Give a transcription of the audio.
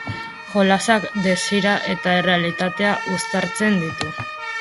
Jolasak, desira eta errealitatea uztartzen ditu.